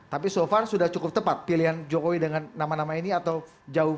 tapi so far sudah cukup tepat pilihan jokowi dengan nama nama ini atau jauh